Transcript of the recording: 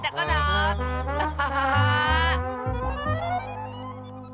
アハハハー！